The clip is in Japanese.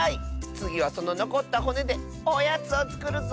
つぎはそののこったほねでおやつをつくるぞ！